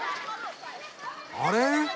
あれ！？